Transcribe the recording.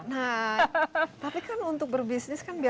nah tapi kan untuk berbisnis kan biasa